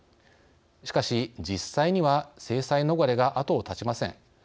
しかし実際には制裁逃れが後を絶ちません。